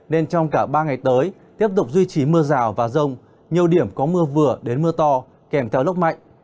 nên trong cả ba ngày tới tiếp tục duy trì mưa rào và rông nhiều điểm có mưa vừa đến mưa to kèm theo lốc mạnh